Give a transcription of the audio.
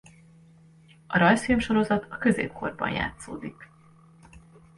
A rajzfilmsorozat a középkorban játszódik.